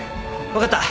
分かった。